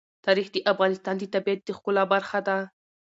تاریخ د افغانستان د طبیعت د ښکلا برخه ده.